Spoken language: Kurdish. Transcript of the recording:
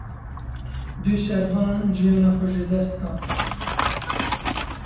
Du şervanan jiyana xwe ji dest dan.